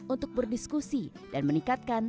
untuk berdiskusi dan meningkatkan